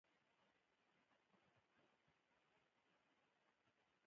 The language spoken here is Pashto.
غزني د افغان تاریخ په کتابونو کې ذکر شوی دي.